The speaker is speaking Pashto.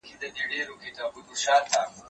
پاکوالی د مور له خوا کيږي؟!